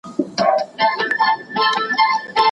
د کتابونو پر ځای باید خیاطي یا اشپزي زده کړې.